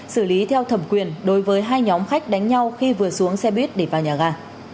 xử lý theo thẩm quyền đối với hai nhóm khách đánh nhau khi vừa xuống xe buýt để vào nhà ga